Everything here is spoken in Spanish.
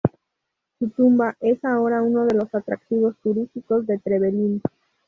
Su tumba es ahora uno de los atractivos turísticos de Trevelin.